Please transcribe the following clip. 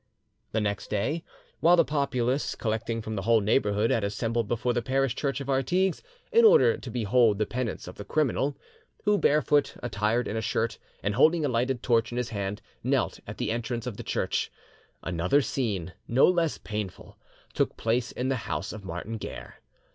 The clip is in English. The next day, while the populace, collecting from the whole neighbourhood, had assembled before the parish church of Artigues in order to behold the penance of the criminal, who, barefoot, attired in a shirt, and holding a lighted torch in his hand, knelt at the entrance of the church, another scene, no less painful, took place in the house of Martin Guerre.